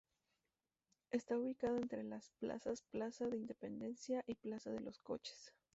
Está ubicado entre las plazas Plaza de Independencia y Plaza de los Coches.